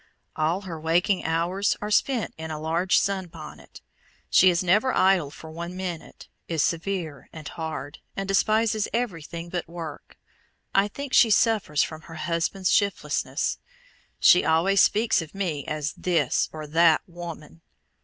All her waking hours are spent in a large sun bonnet. She is never idle for one minute, is severe and hard, and despises everything but work. I think she suffers from her husband's shiftlessness. She always speaks of me as "This" or "that woman."